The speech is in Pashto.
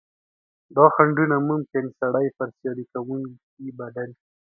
دا خنډونه ممکن سړی پر سیالي کوونکي بدل کړي.